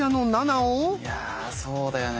いやそうだよね